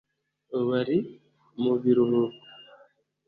ubu ari mu biruhuko